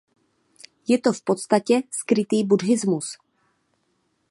Je to v podstatě skrytý buddhismus.